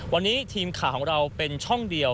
วันนี้ทีมข่าวของเราเป็นช่องเดียว